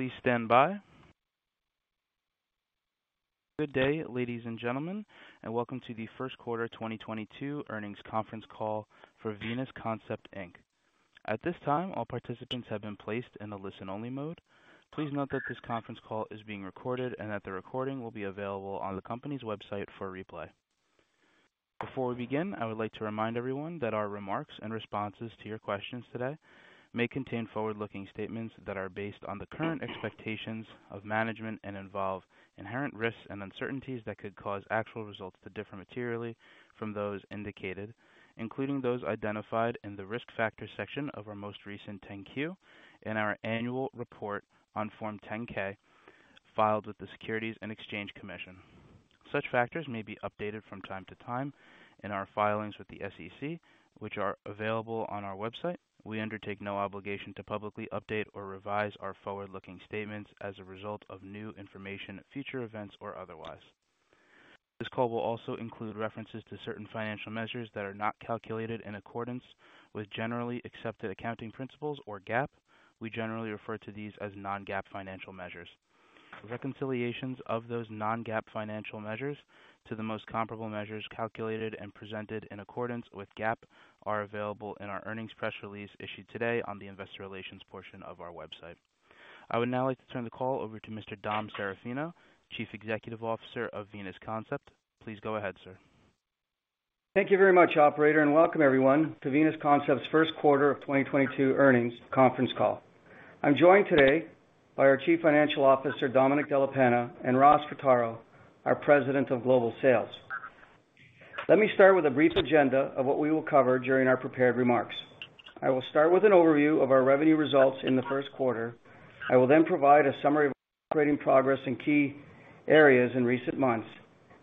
Please stand by. Good day, ladies and gentlemen, and welcome to the First Quarter 2022 Earnings Conference Call for Venus Concept Inc. At this time, all participants have been placed in a listen-only mode. Please note that this conference call is being recorded and that the recording will be available on the company's website for replay. Before we begin, I would like to remind everyone that our remarks and responses to your questions today may contain forward-looking statements that are based on the current expectations of management and involve inherent risks and uncertainties that could cause actual results to differ materially from those indicated, including those identified in the Risk Factors section of our most recent 10-Q and our annual report on Form 10-K filed with the Securities and Exchange Commission. Such factors may be updated from time to time in our filings with the SEC, which are available on our website. We undertake no obligation to publicly update or revise our forward-looking statements as a result of new information, future events or otherwise. This call will also include references to certain financial measures that are not calculated in accordance with generally accepted accounting principles or GAAP. We generally refer to these as non-GAAP financial measures. Reconciliations of those non-GAAP financial measures to the most comparable measures calculated and presented in accordance with GAAP are available in our earnings press release issued today on the investor relations portion of our website. I would now like to turn the call over to Mr. Dom Serafino, Chief Executive Officer of Venus Concept. Please go ahead, sir. Thank you very much, operator, and welcome everyone to Venus Concept's First Quarter of 2022 Earnings Conference Call. I'm joined today by our Chief Financial Officer, Domenic Della Penna, and Ross Portaro, our President of Global Sales. Let me start with a brief agenda of what we will cover during our prepared remarks. I will start with an overview of our revenue results in the first quarter. I will then provide a summary of operating progress in key areas in recent months.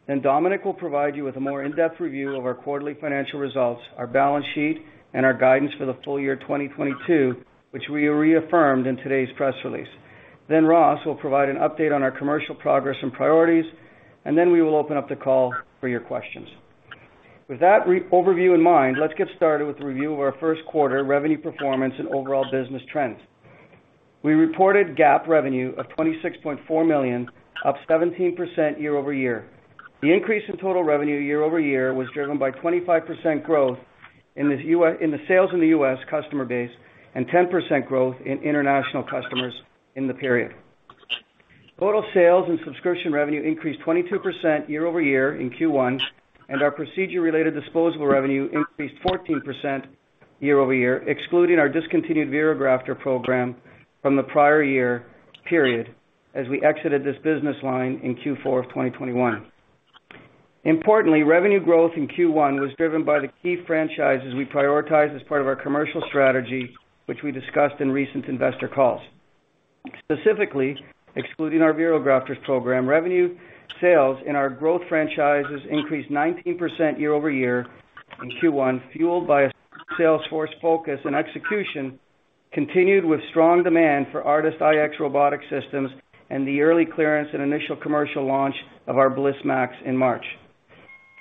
Domenic will provide you with a more in-depth review of our quarterly financial results, our balance sheet, and our guidance for the full-year 2022, which we reaffirmed in today's press release. Ross will provide an update on our commercial progress and priorities, and we will open up the call for your questions. With that overview in mind, let's get started with a review of our first quarter revenue performance and overall business trends. We reported GAAP revenue of $26.4 million, up 17% year-over-year. The increase in total revenue year-over-year was driven by 25% growth in the sales in the U.S. customer base, and 10% growth in international customers in the period. Total sales and subscription revenue increased 22% year-over-year in Q1, and our procedure-related disposable revenue increased 14% year-over-year, excluding our discontinued VeroGrafters program from the prior year period as we exited this business line in Q4 of 2021. Importantly, revenue growth in Q1 was driven by the key franchises we prioritized as part of our commercial strategy, which we discussed in recent investor calls. Specifically, excluding our VeroGrafters program, revenue sales in our growth franchises increased 19% year-over-year in Q1, fueled by a sales force focus and execution, continued with strong demand for ARTAS iX robotic systems, and the early clearance and initial commercial launch of our Bliss MAX in March.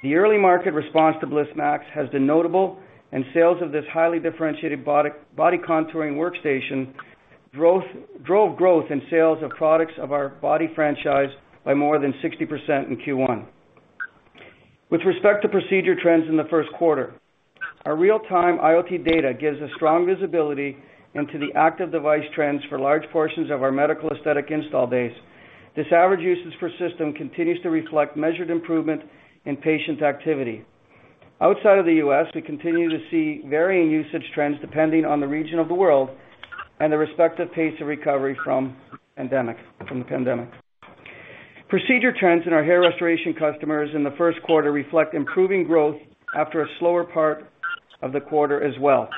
The early market response to Bliss MAX has been notable, and sales of this highly differentiated body contouring workstation drove growth in sales of products of our body franchise by more than 60% in Q1. With respect to procedure trends in the first quarter, our real-time IoT data gives us strong visibility into the active device trends for large portions of our medical aesthetic install base. This average usage per system continues to reflect measured improvement in patient activity. Outside of the U.S., we continue to see varying usage trends depending on the region of the world, and the respective pace of recovery from the pandemic. Procedure trends in our hair restoration customers in the first quarter reflect improving growth after a slower part of the quarter as well.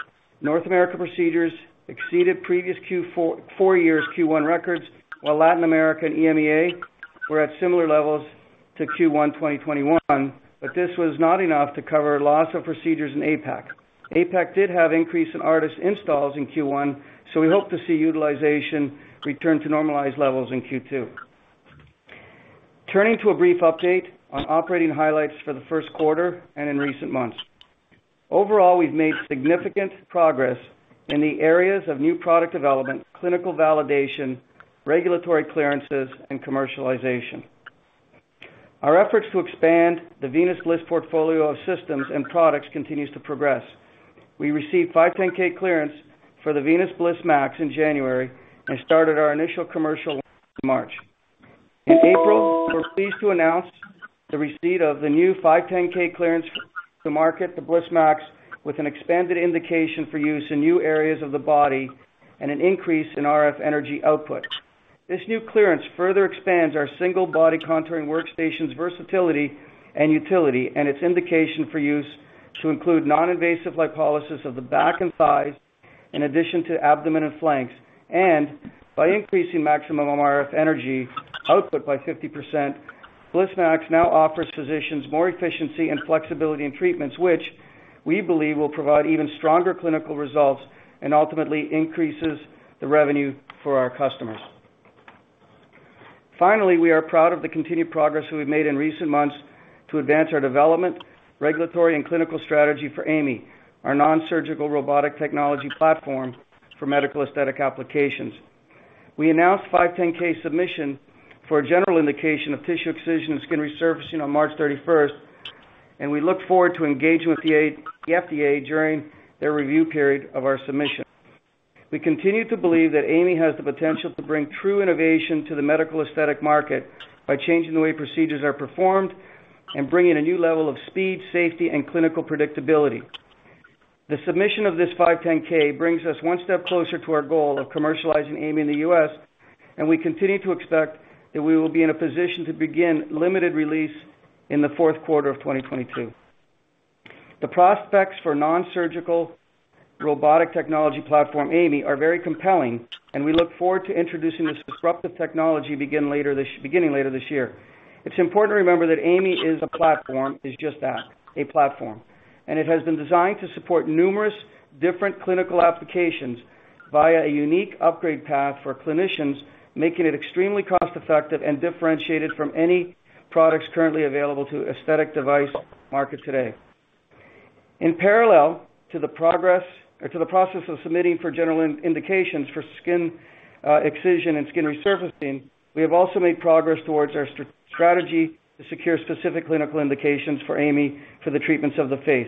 North America procedures exceeded previous Q4 four years Q1 records, while Latin America and EMEA were at similar levels to Q1 2021. This was not enough to cover loss of procedures in APAC. APAC did have increase in ARTAS installs in Q1, so we hope to see utilization return to normalized levels in Q2. Turning to a brief update on operating highlights for the first quarter and in recent months. Overall, we've made significant progress in the areas of new product development, clinical validation, regulatory clearances, and commercialization. Our efforts to expand the Venus Bliss portfolio of systems and products continues to progress. We received 510(k) clearance for the Venus Bliss MAX in January and started our initial commercial in March. In April, we're pleased to announce the receipt of the new 510(k) clearance to market the Bliss MAX with an expanded indication for use in new areas of the body and an increase in RF energy output. This new clearance further expands our single body contouring workstation's versatility and utility, and its indication for use to include non-invasive lipolysis of the back and thighs in addition to abdomen and flanks. By increasing maximum RF energy output by 50%, Bliss MAX now offers physicians more efficiency and flexibility in treatments, which we believe will provide even stronger clinical results and ultimately increases the revenue for our customers. Finally, we are proud of the continued progress we've made in recent months to advance our development, regulatory, and clinical strategy for AI.ME, our nonsurgical robotic technology platform for medical aesthetic applications. We announced 510(k) submission for a general indication of tissue excision and skin resurfacing on March thirty-first, and we look forward to engaging with the FDA during their review period of our submission. We continue to believe that AI.ME has the potential to bring true innovation to the medical aesthetic market by changing the way procedures are performed and bringing a new level of speed, safety, and clinical predictability. The submission of this 510(k) brings us one step closer to our goal of commercializing AI.ME in the U.S., and we continue to expect that we will be in a position to begin limited release in the fourth quarter of 2022. The prospects for nonsurgical robotic technology platform AI.ME are very compelling, and we look forward to introducing this disruptive technology beginning later this year. It's important to remember that AI.ME is a platform, is just that, a platform. It has been designed to support numerous different clinical applications via a unique upgrade path for clinicians, making it extremely cost-effective and differentiated from any products currently available to aesthetic device market today. In parallel to the progress or to the process of submitting for general indications for skin, excision and skin resurfacing, we have also made progress towards our strategy to secure specific clinical indications for AI.ME for the treatments of the face.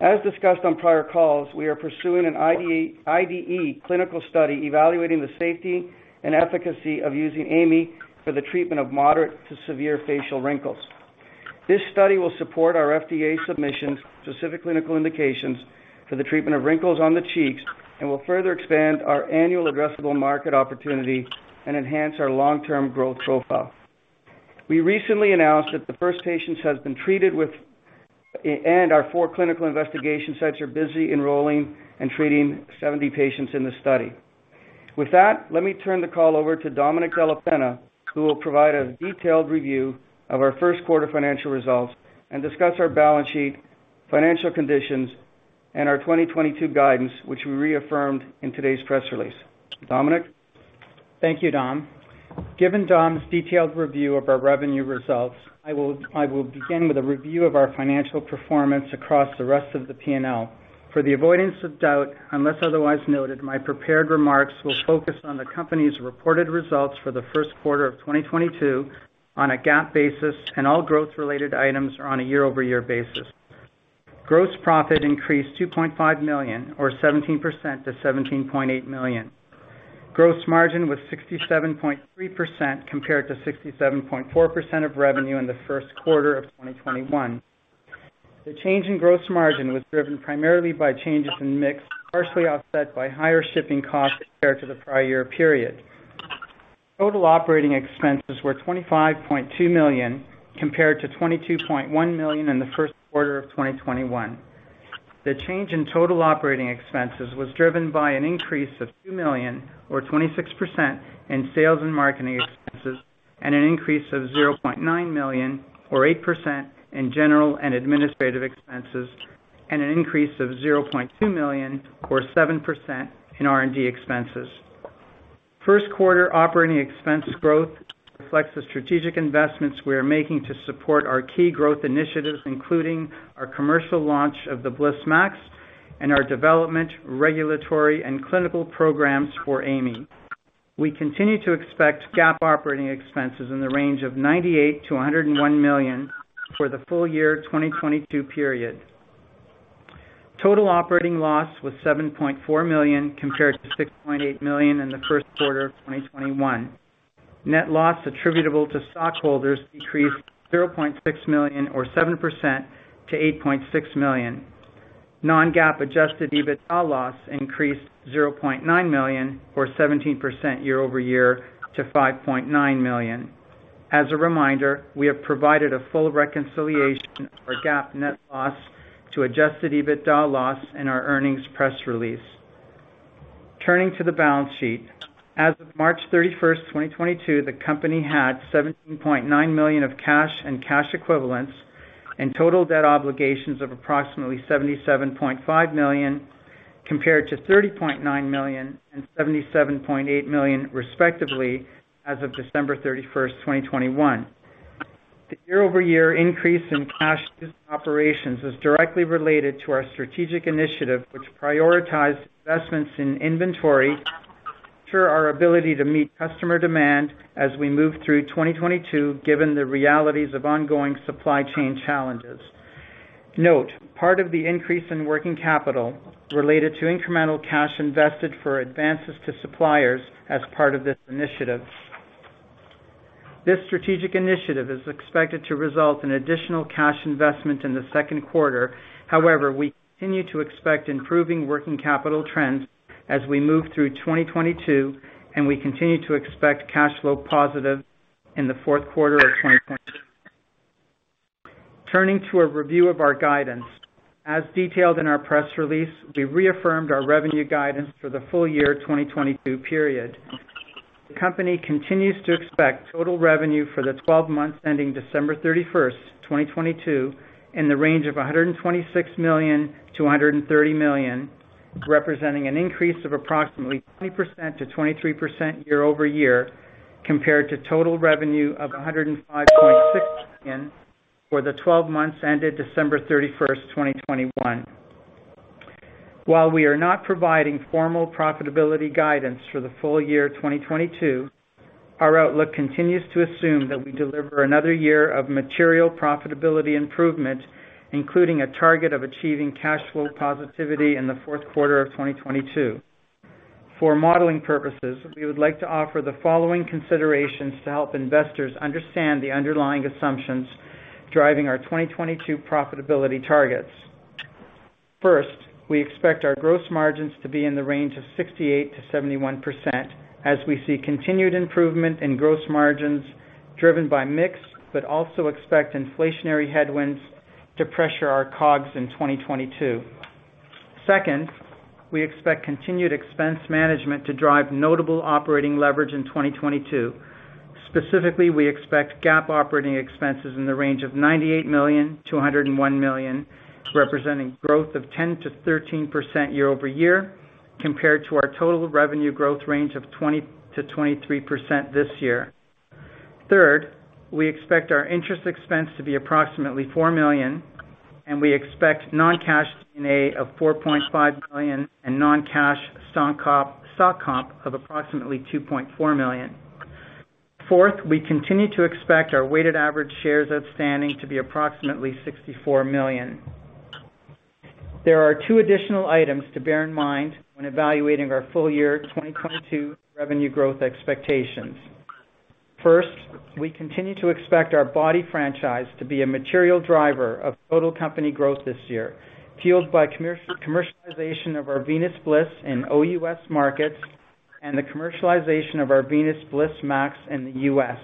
As discussed on prior calls, we are pursuing an IDE clinical study evaluating the safety and efficacy of using AI.ME for the treatment of moderate to severe facial wrinkles. This study will support our FDA submissions, specific clinical indications for the treatment of wrinkles on the cheeks, and will further expand our annual addressable market opportunity and enhance our long-term growth profile. We recently announced that the first patients has been treated, and our four clinical investigation sites are busy enrolling and treating 70 patients in the study. With that, let me turn the call over to Domenic Della Penna, who will provide a detailed review of our first quarter financial results, and discuss our balance sheet, financial conditions, and our 2022 guidance, which we reaffirmed in today's press release. Domenic? Thank you, Dom. Given Dom's detailed review of our revenue results, I will begin with a review of our financial performance across the rest of the P&L. For the avoidance of doubt, unless otherwise noted, my prepared remarks will focus on the company's reported results for the first quarter of 2022 on a GAAP basis, and all growth-related items are on a year-over-year basis. Gross profit increased $2.5 million, or 17% to $17.8 million. Gross margin was 67.3% compared to 67.4% of revenue in the first quarter of 2021. The change in gross margin was driven primarily by changes in mix, partially offset by higher shipping costs compared to the prior year period. Total operating expenses were $25.2 million compared to $22.1 million in the first quarter of 2021. The change in total operating expenses was driven by an increase of $2 million, or 26% in sales and marketing expenses, and an increase of $0.9 million, or 8% in general and administrative expenses, and an increase of $0.2 million, or 7% in R&D expenses. First quarter operating expense growth reflects the strategic investments we are making to support our key growth initiatives, including our commercial launch of the Bliss MAX and our development, regulatory, and clinical programs for AI.ME. We continue to expect GAAP operating expenses in the range of $98 million-$101 million for the full-year 2022 period. Total operating loss was $7.4 million compared to $6.8 million in the first quarter of 2021. Net loss attributable to stockholders decreased $0.6 million, or 7% to $8.6 million. Non-GAAP adjusted EBITDA loss increased $0.9 million, or 17% year-over-year to $5.9 million. As a reminder, we have provided a full reconciliation of our GAAP net loss to adjusted EBITDA loss in our earnings press release. Turning to the balance sheet. As of March 31st, 2022, the company had $17.9 million of cash and cash equivalents, and total debt obligations of approximately $77.5 million, compared to $30.9 million and $77.8 million respectively as of December 31st, 2021. The year-over-year increase in cash operations is directly related to our strategic initiative, which prioritized investments in inventory through our ability to meet customer demand as we move through 2022, given the realities of ongoing supply chain challenges. Note, part of the increase in working capital related to incremental cash invested for advances to suppliers as part of this initiative. This strategic initiative is expected to result in additional cash investment in the second quarter. However, we continue to expect improving working capital trends as we move through 2022, and we continue to expect cash flow positive in the fourth quarter of 2022. Turning to a review of our guidance. As detailed in our press release, we reaffirmed our revenue guidance for the full-year 2022 period. The company continues to expect total revenue for the 12 months ending December 31st, 2022 in the range of $126 million-$130 million. Representing an increase of approximately 20%-23% year-over-year, compared to total revenue of $105.6 million for the 12 months ended December 31st, 2021. While we are not providing formal profitability guidance for the full-year 2022, our outlook continues to assume that we deliver another year of material profitability improvement, including a target of achieving cash flow positivity in the fourth quarter of 2022. For modeling purposes, we would like to offer the following considerations to help investors understand the underlying assumptions driving our 2022 profitability targets. First, we expect our gross margins to be in the range of 68%-71% as we see continued improvement in gross margins driven by mix, but also expect inflationary headwinds to pressure our COGS in 2022. Second, we expect continued expense management to drive notable operating leverage in 2022. Specifically, we expect GAAP operating expenses in the range of $98 million-$101 million, representing growth of 10%-13% year-over-year, compared to our total revenue growth range of 20%-23% this year. Third, we expect our interest expense to be approximately $4 million, and we expect non-cash D&A of $4.5 million and non-cash stock comp of approximately $2.4 million. Fourth, we continue to expect our weighted average shares outstanding to be approximately $64 million. There are two additional items to bear in mind when evaluating our full-year 2022 revenue growth expectations. First, we continue to expect our body franchise to be a material driver of total company growth this year, fueled by commercialization of our Venus Bliss in OUS markets and the commercialization of our Venus Bliss MAX in the U.S.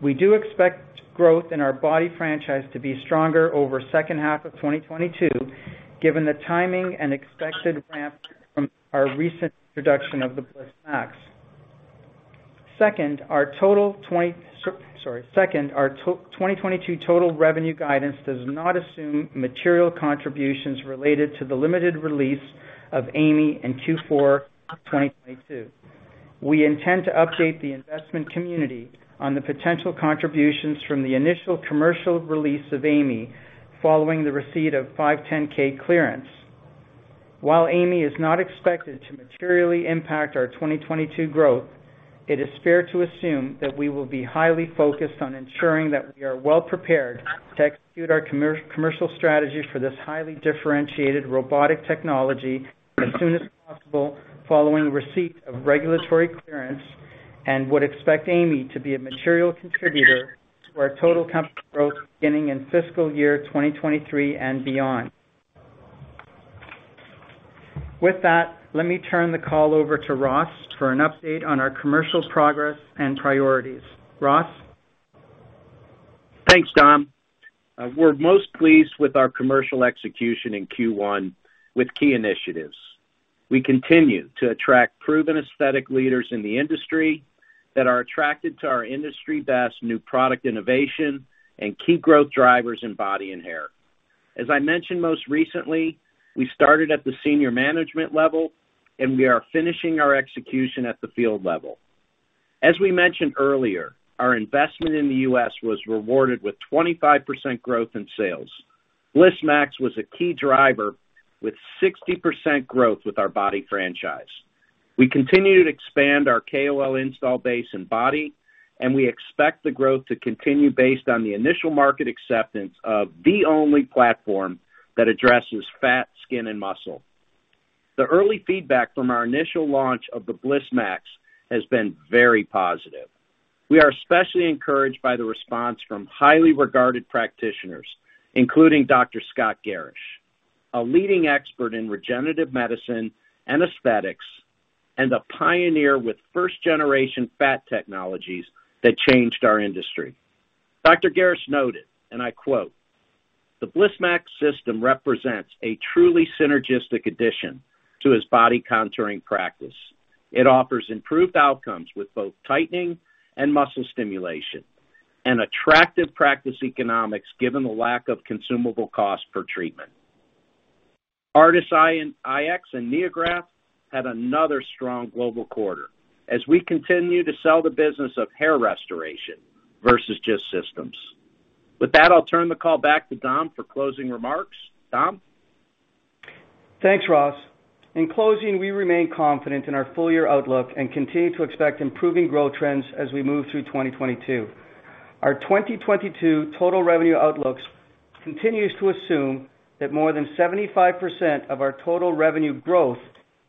We do expect growth in our body franchise to be stronger over second half of 2022, given the timing and expected ramp from our recent introduction of the Bliss MAX. Second, our 2022 total revenue guidance does not assume material contributions related to the limited release of AI.ME in Q4 of 2022. We intend to update the investment community on the potential contributions from the initial commercial release of AI.ME following the receipt of 510(k) clearance. While AI.ME is not expected to materially impact our 2022 growth, it is fair to assume that we will be highly focused on ensuring that we are well prepared to execute our commercial strategy for this highly differentiated robotic technology as soon as possible following receipt of regulatory clearance, and would expect AI.ME to be a material contributor to our total company growth beginning in fiscal year 2023 and beyond. With that, let me turn the call over to Ross for an update on our commercial progress and priorities. Ross? Thanks, Dom. We're most pleased with our commercial execution in Q1 with key initiatives. We continue to attract proven aesthetic leaders in the industry that are attracted to our industry best new product innovation, and key growth drivers in body and hair. As I mentioned most recently, we started at the senior management level, and we are finishing our execution at the field level. As we mentioned earlier, our investment in the U.S. was rewarded with 25% growth in sales. Bliss MAX was a key driver with 60% growth with our body franchise. We continue to expand our KOL install base and body, and we expect the growth to continue based on the initial market acceptance of the only platform that addresses fat, skin, and muscle. The early feedback from our initial launch of the Bliss MAX has been very positive. We are especially encouraged by the response from highly regarded practitioners, including Dr. Scott Gerrish, a leading expert in regenerative medicine and aesthetics, and a pioneer with first-generation fat technologies that changed our industry. Dr. Gerrish noted, and I quote, "The Venus Bliss MAX system represents a truly synergistic addition to his body contouring practice. It offers improved outcomes with both tightening and muscle stimulation, and attractive practice economics given the lack of consumable cost per treatment." ARTAS iX and NeoGraft had another strong global quarter, as we continue to sell the business of hair restoration versus just systems. With that, I'll turn the call back to Dom for closing remarks. Dom? Thanks, Ross. In closing, we remain confident in our full-year outlook and continue to expect improving growth trends as we move through 2022. Our 2022 total revenue outlooks continues to assume that more than 75% of our total revenue growth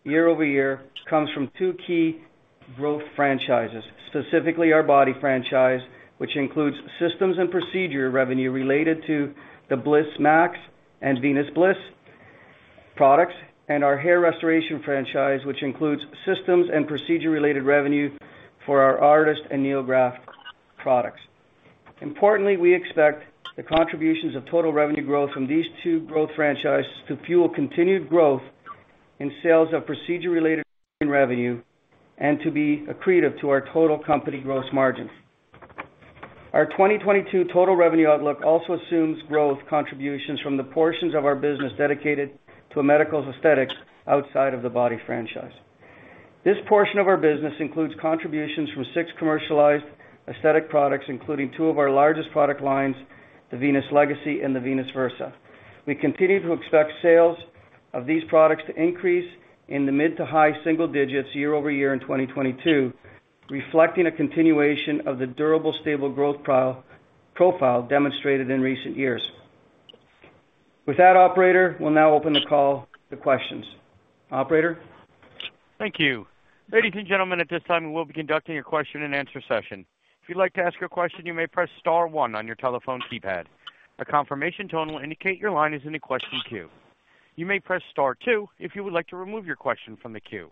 year-over-year comes from two key growth franchises, specifically our body franchise, which includes systems and procedure revenue related to the Bliss MAX and Venus Bliss products, and our hair restoration franchise, which includes systems and procedure-related revenue for our ARTAS and NeoGraft products. Importantly, we expect the contributions of total revenue growth from these two growth franchises to fuel continued growth in sales of procedure-related revenue and to be accretive to our total company gross margins. Our 2022 total revenue outlook also assumes growth contributions from the portions of our business dedicated to medical aesthetics outside of the body franchise. This portion of our business includes contributions from six commercialized aesthetic products, including two of our largest product lines, the Venus Legacy and the Venus Versa. We continue to expect sales of these products to increase in the mid- to high-single-digit % year-over-year in 2022, reflecting a continuation of the durable, stable growth profile demonstrated in recent years. With that, operator, we'll now open the call to questions. Operator? Thank you. Ladies and gentlemen, at this time, we will be conducting a question and answer session. If you'd like to ask a question, you may press star one on your telephone keypad. A confirmation tone will indicate your line is in the question queue. You may press star two if you would like to remove your question from the queue.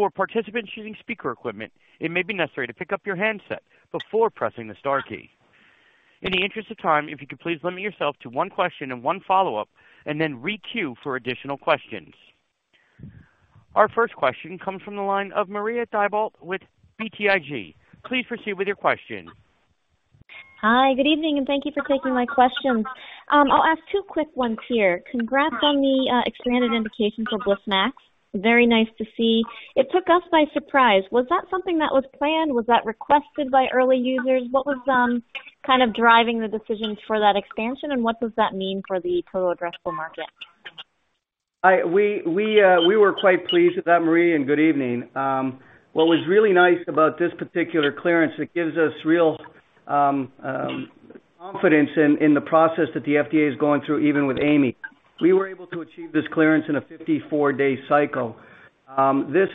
For participants using speaker equipment, it may be necessary to pick up your handset before pressing the star key. In the interest of time, if you could please limit yourself to one question and one follow-up, and then re-queue for additional questions. Our first question comes from the line of Marie Thibault with BTIG. Please proceed with your question. Hi, good evening, and thank you for taking my questions. I'll ask two quick ones here. Congrats on the expanded indication for Bliss MAX. Very nice to see. It took us by surprise. Was that something that was planned? Was that requested by early users? What was kind of driving the decisions for that expansion, and what does that mean for the total addressable market? We were quite pleased with that, Marie, and good evening. What was really nice about this particular clearance, it gives us real confidence in the process that the FDA is going through, even with AI.ME. We were able to achieve this clearance in a 54-day cycle. This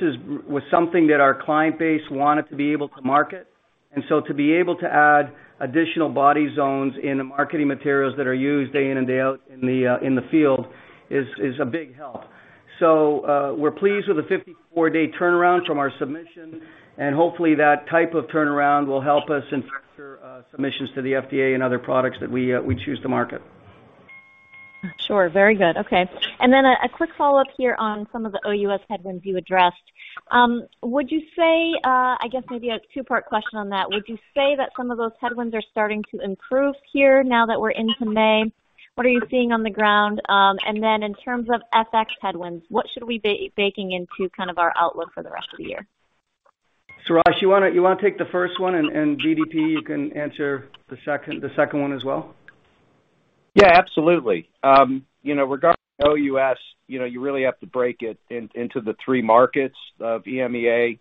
was something that our client base wanted to be able to market, and so to be able to add additional body zones in the marketing materials that are used day in and day out in the field is a big help. We're pleased with the 54-day turnaround from our submission, and hopefully that type of turnaround will help us in faster submissions to the FDA and other products that we choose to market. Sure. Very good. Okay. A quick follow-up here on some of the OUS headwinds you addressed. I guess maybe a two-part question on that. Would you say that some of those headwinds are starting to improve here now that we're into May? What are you seeing on the ground? In terms of FX headwinds, what should we be baking into kind of our outlook for the rest of the year? Ross, you wanna take the first one, and DDP, you can answer the second one as well. Yeah, absolutely. You know, regarding OUS, you know, you really have to break it into the three markets of EMEA,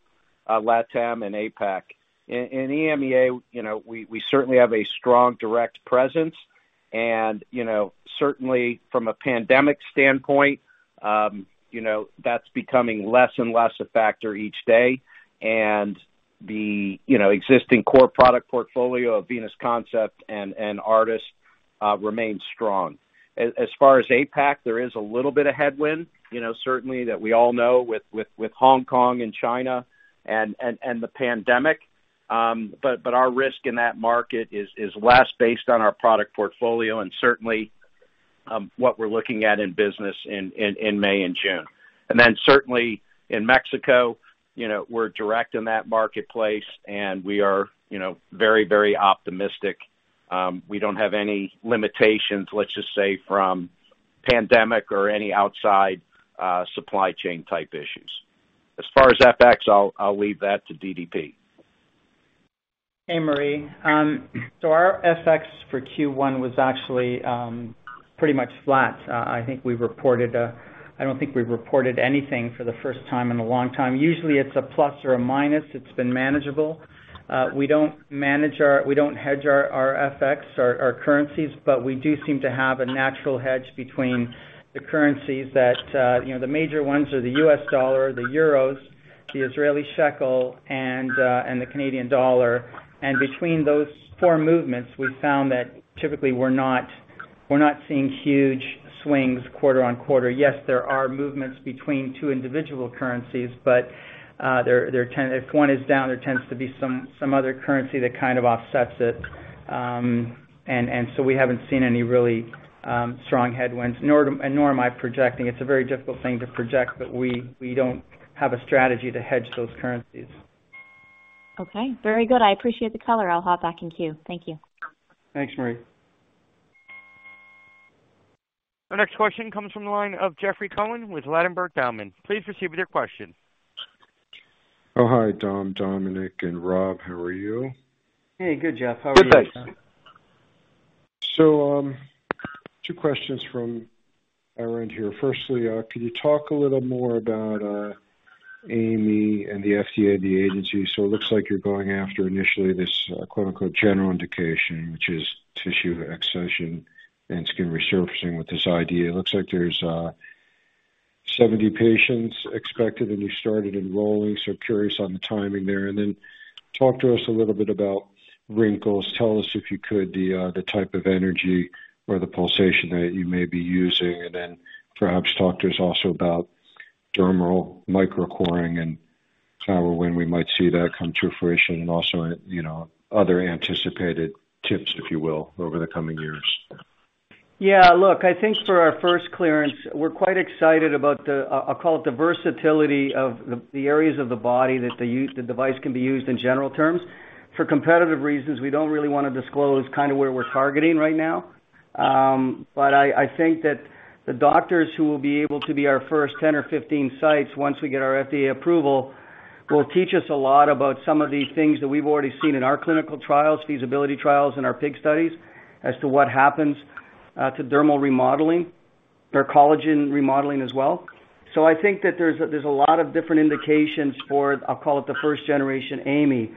LatAm and APAC. In EMEA, you know, we certainly have a strong direct presence and, you know, certainly from a pandemic standpoint, you know, that's becoming less and less a factor each day. The existing core product portfolio of Venus Concept and ARTAS remains strong. As far as APAC, there is a little bit of headwind, you know, certainly that we all know with Hong Kong and China and the pandemic. But our risk in that market is less based on our product portfolio and certainly what we're looking at in business in May and June. Certainly in Mexico, you know, we're direct in that marketplace and we are, you know, very, very optimistic. We don't have any limitations, let's just say from pandemic or any outside supply chain type issues. As far as FX I'll leave that to DDP. Hey, Marie. So our FX for Q1 was actually pretty much flat. I think we reported. I don't think we've reported anything for the first time in a long time. Usually it's a plus or a minus. It's been manageable. We don't hedge our FX, our currencies, but we do seem to have a natural hedge between the currencies that, you know, the major ones are the US dollar, the euros, the Israeli shekel and the Canadian dollar. Between those four movements, we found that typically we're not seeing huge swings quarter-over-quarter. Yes, there are movements between two individual currencies, but if one is down, there tends to be some other currency that kind of offsets it. We haven't seen any really strong headwinds nor am I projecting. It's a very difficult thing to project, but we don't have a strategy to hedge those currencies. Okay, very good. I appreciate the color. I'll hop back in queue. Thank you. Thanks, Marie. Our next question comes from the line of Jeffrey Cohen with Ladenburg Thalmann. Please proceed with your question. Oh, hi, Dom, Domenic, and Ross. How are you? Hey, good, Jeff. How are you? Good, thanks. Two questions from our end here. Firstly, can you talk a little more about AI.ME and the FDA, the agency? It looks like you're going after initially this clinical general indication, which is tissue excision and skin resurfacing with this idea. It looks like there's 70 patients expected, and you started enrolling, so curious on the timing there. Talk to us a little bit about wrinkles. Tell us if you could, the type of energy or the pulsation that you may be using, and then perhaps talk to us also about dermal micro-coring and how or when we might see that come to fruition and also, you know, other anticipated tips, if you will, over the coming years. Yeah, look, I think for our first clearance, we're quite excited about the, I'll call it the versatility of the areas of the body that they use, the device can be used in general terms. For competitive reasons, we don't really wanna disclose kind of where we're targeting right now. But I think that the doctors who will be able to be our first 10 or 15 sites once we get our FDA approval, will teach us a lot about some of the things that we've already seen in our clinical trials, feasibility trials, and our pig studies as to what happens, to dermal remodeling or collagen remodeling as well. I think that there's a lot of different indications for, I'll call it the first generation AI.ME.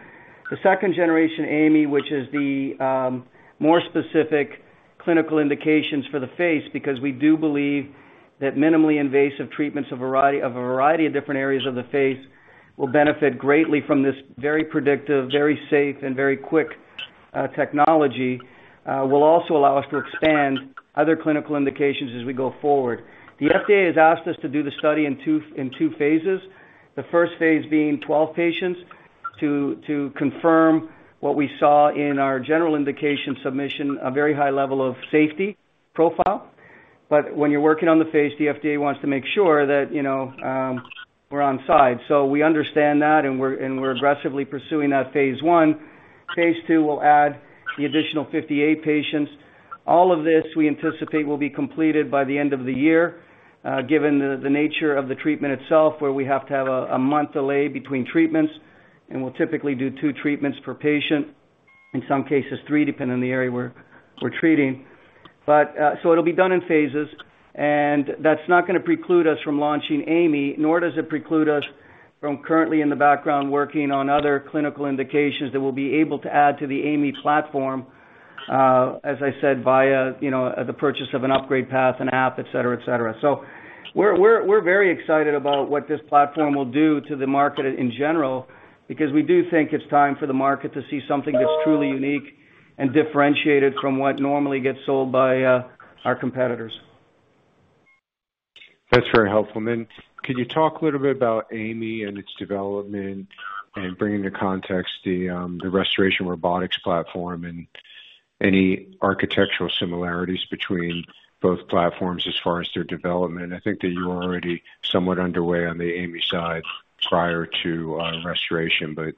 The second generation AI.ME, which is the more specific clinical indications for the face, because we do believe that minimally invasive treatments of a variety of different areas of the face will benefit greatly from this very predictive, very safe, and very quick technology, will also allow us to expand other clinical indications as we go forward. The FDA has asked us to do the study in two phases, the first phase being 12 patients to confirm what we saw in our general indication submission, a very high level of safety profile. When you're working on the phase, the FDA wants to make sure that, you know, we're on side. We understand that, and we're aggressively pursuing that phase one. Phase II will add the additional 58 patients. All of this, we anticipate, will be completed by the end of the year, given the nature of the treatment itself, where we have to have a month delay between treatments, and we'll typically do two treatments per patient, in some cases three, depending on the area we're treating. It'll be done in phases, and that's not gonna preclude us from launching AI.ME, nor does it preclude us from currently in the background working on other clinical indications that we'll be able to add to the AI.ME platform, as I said, via, you know, the purchase of an upgrade path, an app, et cetera. We're very excited about what this platform will do to the market in general, because we do think it's time for the market to see something that's truly unique and differentiated from what normally gets sold by our competitors. That's very helpful. Can you talk a little bit about AI.ME and its development, and bring into context the Restoration Robotics platform, and any architectural similarities between both platforms as far as their development? I think that you're already somewhat underway on the AI.ME side prior to Restoration, but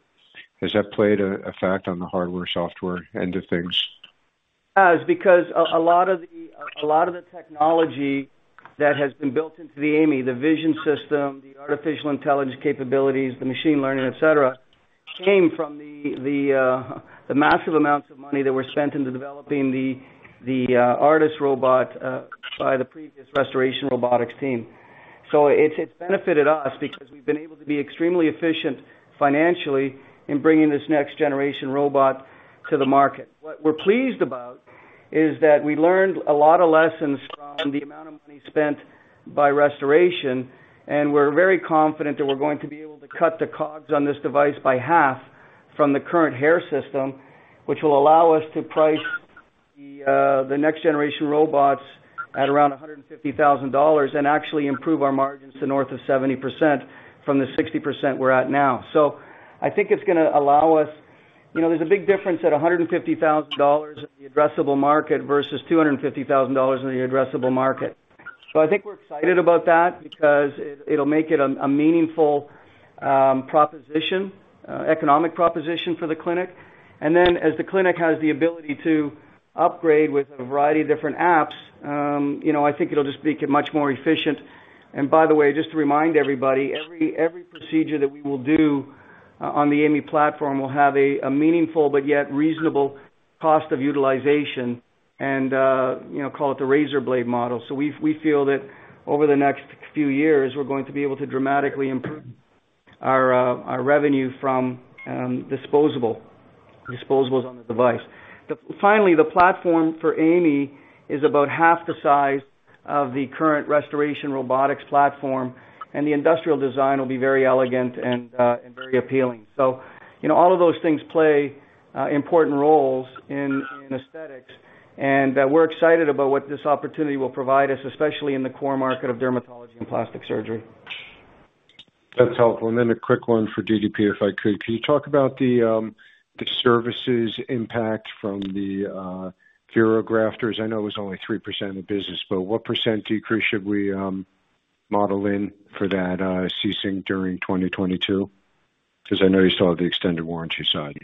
has that played a factor on the hardware/software end of things? Yes, because a lot of the technology that has been built into the AI.ME, the vision system, the artificial intelligence capabilities, the machine learning, et cetera, came from the massive amounts of money that were spent on developing the ARTAS robot by the previous Restoration Robotics team. It's benefited us because we've been able to be extremely efficient financially in bringing this next generation robot to the market. What we're pleased about is that we learned a lot of lessons from the amount of money spent by Restoration, and we're very confident that we're going to be able to cut the COGS on this device by half from the current hair system, which will allow us to price the next generation robots at around $150,000 and actually improve our margins to north of 70% from the 60% we're at now. I think it's gonna allow us. You know, there's a big difference at $150,000 in the addressable market versus $250,000 in the addressable market. I think we're excited about that because it'll make it a meaningful economic proposition for the clinic. Then as the clinic has the ability to upgrade with a variety of different apps, you know, I think it'll just make it much more efficient. By the way, just to remind everybody, every procedure that we will do on the AI.ME platform will have a meaningful but yet reasonable cost of utilization and, you know, call it the razor blade model. We feel that over the next few years, we're going to be able to dramatically improve our revenue from disposables on the device. Finally, the platform for AI.ME is about half the size of the current Restoration Robotics platform, and the industrial design will be very elegant and very appealing. You know, all of those things play important roles in aesthetics. We're excited about what this opportunity will provide us, especially in the core market of dermatology and plastic surgery. That's helpful. A quick one for DDP, if I could. Can you talk about the services impact from the VeroGrafters? I know it was only 3% of the business, but what percent decrease should we model in for that ceasing during 2022? 'Cause I know you still have the extended warranty side.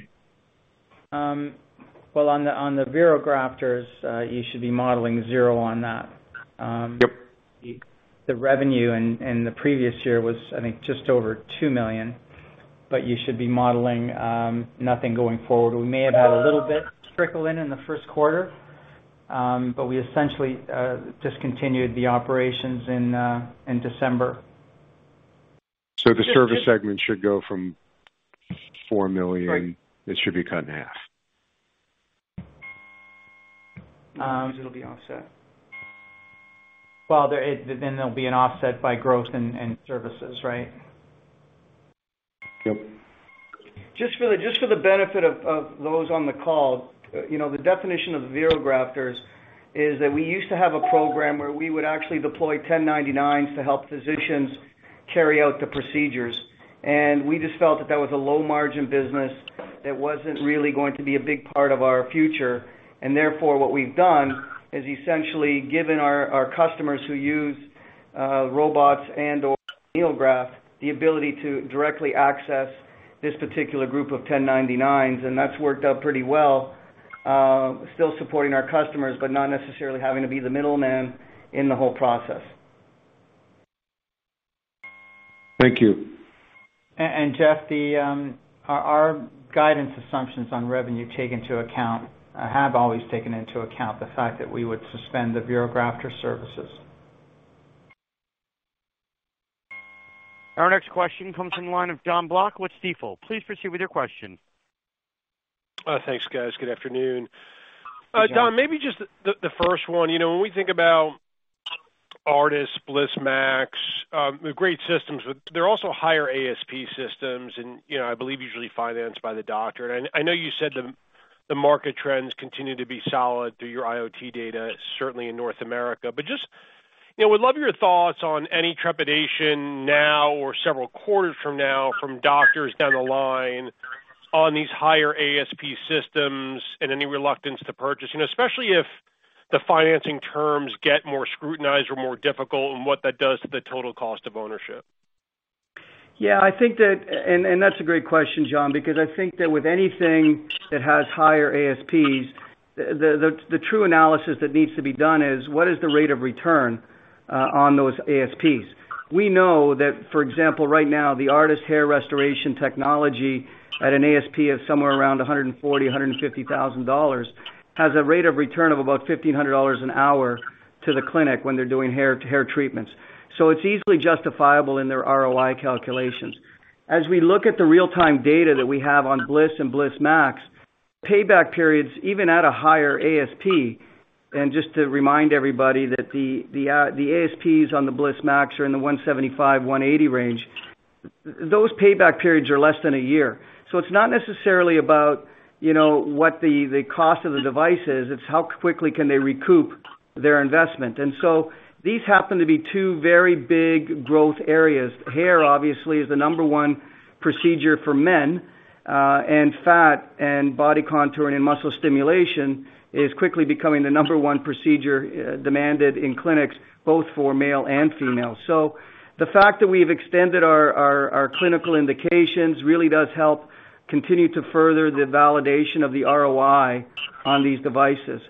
Well, on the VeroGrafters, you should be modeling zero on that. Yep. The revenue in the previous year was, I think, just over $2 million, but you should be modeling nothing going forward. We may have had a little bit trickle in the first quarter, but we essentially discontinued the operations in December. The service segment should go from $4 million- Right. It should be cut in half. Um- Because it'll be offset. Well, there'll be an offset by growth and services, right? Yep. Just for the benefit of those on the call, you know, the definition of VeroGrafters is that we used to have a program where we would actually deploy 1099s to help physicians carry out the procedures. We just felt that that was a low margin business that wasn't really going to be a big part of our future. Therefore, what we've done is essentially given our customers who use robots and/or NeoGraft, the ability to directly access this particular group of 1099s, and that's worked out pretty well, still supporting our customers, but not necessarily having to be the middleman in the whole process. Thank you. Jeff, our guidance assumptions on revenue take into account, have always taken into account the fact that we would suspend the VeroGrafters services. Our next question comes from the line of Jonathan Block with Stifel. Please proceed with your question. Thanks, guys. Good afternoon. Good afternoon. Dom, maybe just the first one. You know, when we think about ARTAS, Bliss MAX, they're great systems, but they're also higher ASP systems and, you know, I believe usually financed by the doctor. I know you said the market trends continue to be solid through your IoT data, certainly in North America. Just, you know, would love your thoughts on any trepidation now or several quarters from now from doctors down the line on these higher ASP systems and any reluctance to purchase, you know, especially if the financing terms get more scrutinized or more difficult, and what that does to the total cost of ownership? Yeah, I think that's a great question, John, because I think that with anything that has higher ASPs, the true analysis that needs to be done is what is the rate of return on those ASPs? We know that, for example, right now, the ARTAS hair restoration technology at an ASP of somewhere around $140,000-$150,000, has a rate of return of about $1,500 an hour to the clinic when they're doing hair to hair treatments. It's easily justifiable in their ROI calculations. As we look at the real-time data that we have on Bliss and Bliss MAX, payback periods, even at a higher ASP, and just to remind everybody that the ASPs on the Bliss MAX are in the $175,000-$180,000 range. Those payback periods are less than a year. It's not necessarily about, you know, what the cost of the device is. It's how quickly can they recoup their investment. These happen to be two very big growth areas. Hair, obviously, is the number one procedure for men, and fat and body contouring and muscle stimulation is quickly becoming the number one procedure demanded in clinics, both for male and female. The fact that we've extended our clinical indications really does help continue to further the validation of the ROI on these devices.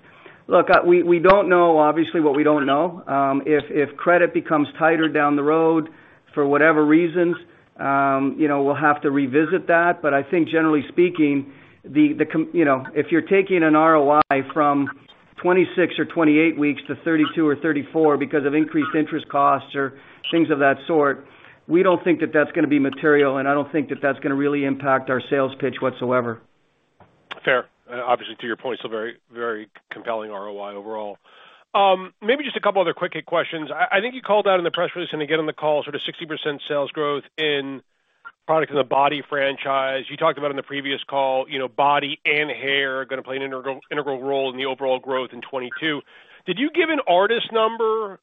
Look, we don't know, obviously, what we don't know. If credit becomes tighter down the road for whatever reasons, you know, we'll have to revisit that. I think generally speaking, the com... You know, if you're taking an ROI from 26 weeks or 28 weeks to 32 weeks or 34 weeks because of increased interest costs or things of that sort, we don't think that that's gonna be material, and I don't think that that's gonna really impact our sales pitch whatsoever. Fair. Obviously, to your point, so very, very compelling ROI overall. Maybe just a couple other quick hit questions. I think you called out in the press release and again on the call, sort of 60% sales growth in products in the body franchise. You talked about in the previous call, you know, body and hair are gonna play an integral role in the overall growth in 2022. Did you give an ARTAS number,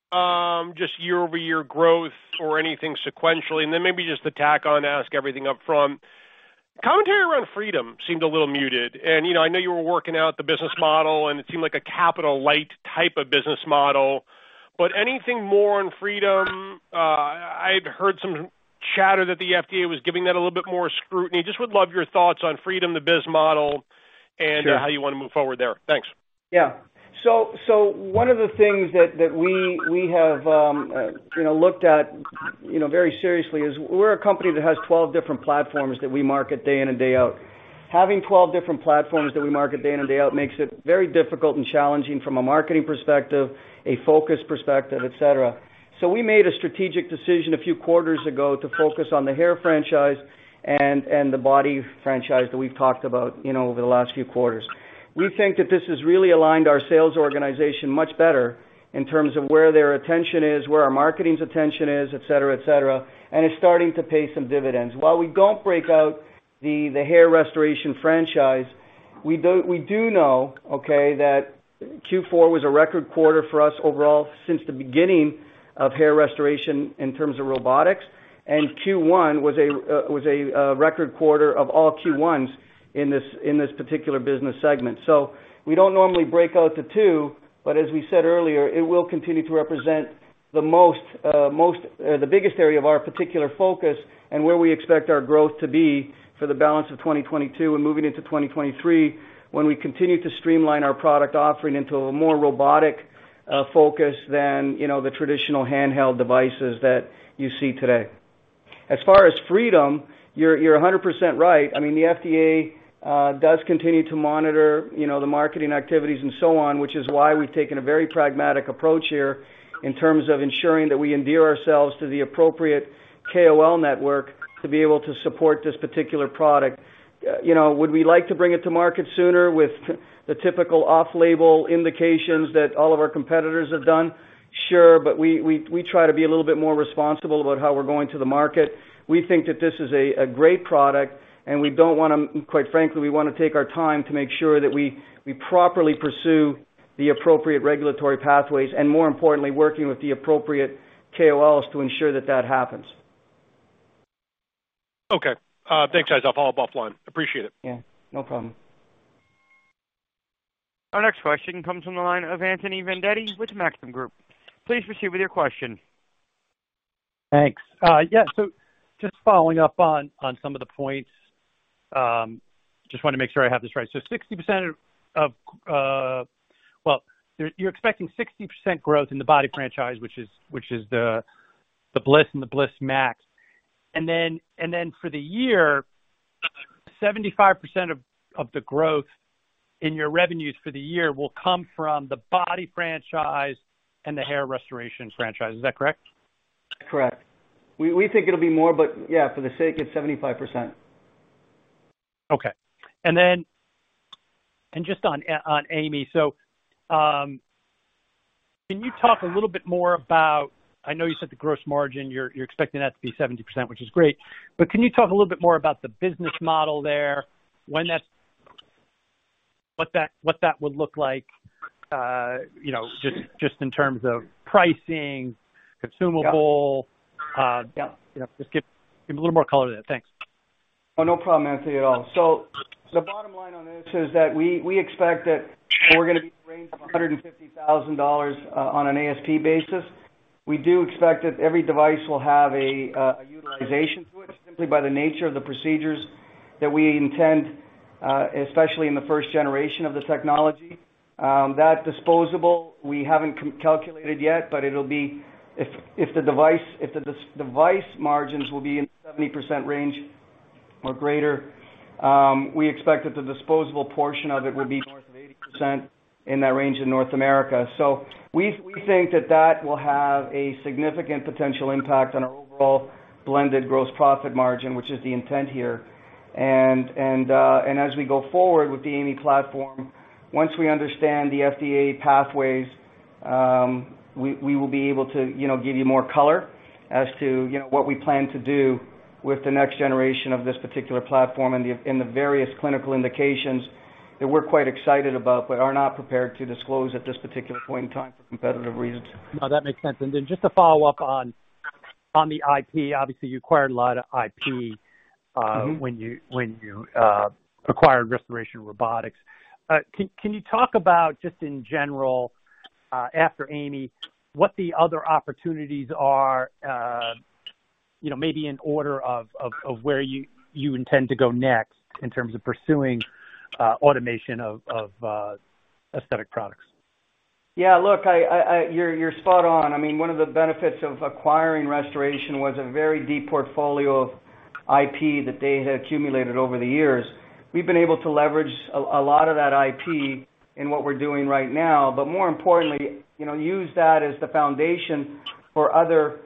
just year-over-year growth or anything sequentially? Then maybe just to tack on, ask everything up front. Commentary around Freedom seemed a little muted. You know, I know you were working out the business model, and it seemed like a capital light type of business model. Anything more on Freedom? I'd heard some chatter that the FDA was giving that a little bit more scrutiny. Just would love your thoughts on Freedom, the biz model. Sure. how you wanna move forward there? Thanks. Yeah. One of the things that we have, you know, looked at, you know, very seriously is we're a company that has 12 different platforms that we market day in and day out. Having 12 different platforms that we market day in and day out makes it very difficult and challenging from a marketing perspective, a focus perspective, et cetera. We made a strategic decision a few quarters ago to focus on the hair franchise and the body franchise that we've talked about, you know, over the last few quarters. We think that this has really aligned our sales organization much better in terms of where their attention is, where our marketing's attention is, et cetera, et cetera, and it's starting to pay some dividends. While we don't break out the hair restoration franchise, we do know that Q4 was a record quarter for us overall since the beginning of hair restoration in terms of robotics. Q1 was a record quarter of all Q1s in this particular business segment. We don't normally break out the two, but as we said earlier, it will continue to represent the most or the biggest area of our particular focus, and where we expect our growth to be for the balance of 2022 and moving into 2023, when we continue to streamline our product offering into a more robotic focus than, you know, the traditional handheld devices that you see today. As far as Freedom, you're 100% right. I mean, the FDA does continue to monitor, you know, the marketing activities and so on, which is why we've taken a very pragmatic approach here in terms of ensuring that we endear ourselves to the appropriate KOL network to be able to support this particular product. You know, would we like to bring it to market sooner with the typical off-label indications that all of our competitors have done? Sure. We try to be a little bit more responsible about how we're going to the market. We think that this is a great product, and we don't wanna. Quite frankly, we wanna take our time to make sure that we properly pursue the appropriate regulatory pathways and, more importantly, working with the appropriate KOLs to ensure that that happens. Okay. Thanks guys. I'll follow-up offline. Appreciate it. Yeah, no problem. Our next question comes from the line of Anthony Vendetti with Maxim Group. Please proceed with your question. Thanks. Yeah, just following up on some of the points, just wanna make sure I have this right. Well, you're expecting 60% growth in the body franchise, which is the Bliss and the Bliss MAX. Then for the year, 75% of the growth in your revenues for the year will come from the body franchise and the hair restoration franchise. Is that correct? Correct. We think it'll be more, but yeah, for the sake, it's 75%. Just on AI.ME, can you talk a little bit more about? I know you said the gross margin, you're expecting that to be 70%, which is great. Can you talk a little bit more about the business model there? What that would look like, you know, just in terms of pricing, consumable- Yeah. Yeah, just give a little more color to that. Thanks. No problem, Anthony, at all. The bottom line on this is that we expect that we're gonna be in the range of $150,000 on an ASP basis. We do expect that every device will have a utilization to it, simply by the nature of the procedures that we intend, especially in the first generation of the technology. That disposable, we haven't calculated yet, but it'll be. If the device margins will be in 70% range or greater, we expect that the disposable portion of it would be north of 80% in that range in North America. We think that that will have a significant potential impact on our overall blended gross profit margin, which is the intent here. as we go forward with the AI.ME platform, once we understand the FDA pathways, we will be able to, you know, give you more color as to, you know, what we plan to do with the next generation of this particular platform and the various clinical indications that we're quite excited about, but are not prepared to disclose at this particular point in time for competitive reasons. No, that makes sense. Just to follow up on the IP, obviously you acquired a lot of IP. Mm-hmm When you acquired Restoration Robotics. Can you talk about, just in general, after AI.ME, what the other opportunities are, you know, maybe in order of where you intend to go next in terms of pursuing automation of aesthetic products? Yeah, look, I. You're spot on. I mean, one of the benefits of acquiring Restoration was a very deep portfolio of IP that they had accumulated over the years. We've been able to leverage a lot of that IP in what we're doing right now. But more importantly, you know, use that as the foundation for other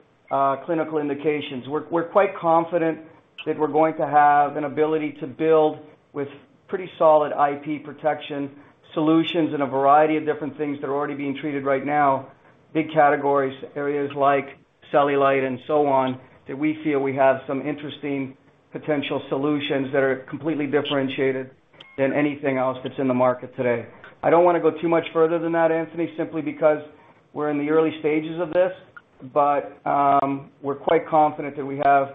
clinical indications. We're quite confident that we're going to have an ability to build with pretty solid IP protection solutions in a variety of different things that are already being treated right now, big categories, areas like cellulite and so on, that we feel we have some interesting potential solutions that are completely differentiated than anything else that's in the market today. I don't wanna go too much further than that, Anthony, simply because we're in the early stages of this, but we're quite confident that we have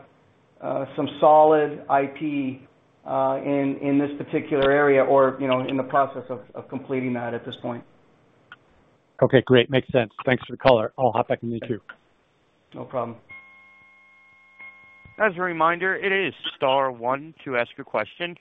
some solid IP in this particular area or, you know, in the process of completing that at this point. Okay, great. Makes sense. Thanks for the color. I'll hop back in the queue. No problem. As a reminder, it is star one to ask a question.